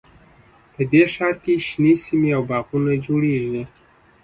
په دې ښار کې شنې سیمې او باغونه جوړیږي